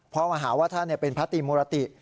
พอหาว่าเธอเป็นพระตีมรติ